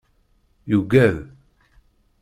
Yuggad.